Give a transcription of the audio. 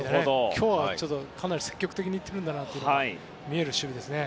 今日はかなり積極的に行ってるかなと見える守備ですね。